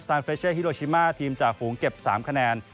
เฟชเช่ฮิโรชิมาทีมจ่าฝูงเก็บ๓คะแนน